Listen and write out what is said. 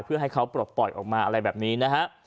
เพื่อให้เขาปลดปล่อยออกมาอะไรแบบนี้นะฮะ